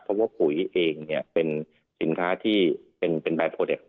เพราะว่าปุ๋ยเองเนี่ยเป็นสินค้าที่เป็นบายโพเด็ก